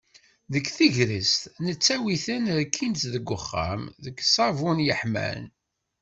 Deg tegrest, nettawi-ten rkin seg uxxam, deg ṣṣabun yeḥman.